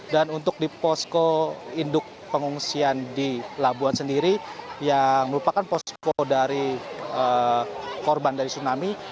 dan untuk di posko induk pengungsian di labuan sendiri yang merupakan posko dari korban dari tsunami